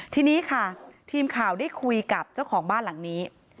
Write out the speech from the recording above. ทีนี้ค่ะทีมข่าวได้คุยกับเจ้าของบ้านหลังนี้